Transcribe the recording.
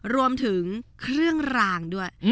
รวมถึงเครื่องรางด้วย